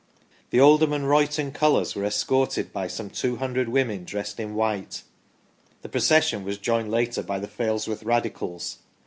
The Oldham and Royton colours were escorted by some 200 women dressed in white. The procession was joined later by the Failsworth Radicals.